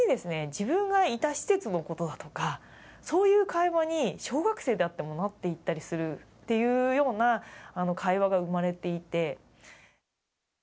自分がいた施設のことだとかそういう会話に小学生であってもなっていったりするっていうような会話が生まれていて。